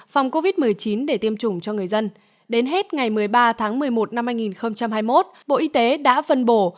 phòng covid một mươi chín để tiêm chủng cho người dân đến hết ngày một mươi ba tháng một mươi một năm hai nghìn hai mươi một bộ y tế đã phân bổ